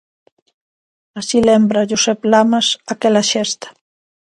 Así lembra Josep Lamas aquela xesta.